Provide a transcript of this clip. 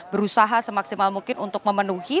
berusaha semaksimal mungkin untuk memenuhi